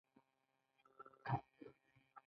فیوډالانو ولیدل چې د خپلو کسبګرو محصولات ښه نه وو.